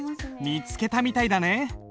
見つけたみたいだね。